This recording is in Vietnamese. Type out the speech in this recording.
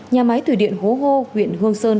nhà máy thủy điện hố hô huyện hương sơn